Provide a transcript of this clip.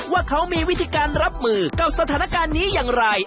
ว่าเขามีวิธีการรับมือกับสถานการณ์นี้อย่างไร